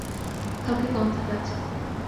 কালকে কনসার্ট আছে।